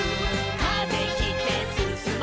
「風切ってすすもう」